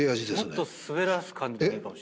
もっと滑らす感じでいいかも。